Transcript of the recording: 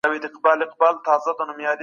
آیا د ښوونځیو د پایلو کتابچه نوی ډیزاین لري؟